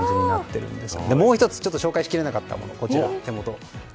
もう１つ紹介しきれなかったもの。